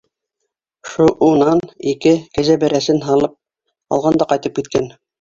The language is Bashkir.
— Шу-унан, ике кәзә бәрәсен һалып алған да ҡайтып киткән.